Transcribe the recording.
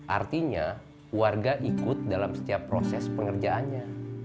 artinya warga ikut dalam setiap proses pengerjaannya